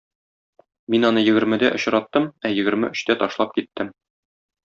Мин аны егермедә очраттым, ә егерме өчтә ташлап киттем.